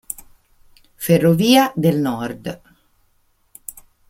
Ferrovia del Nord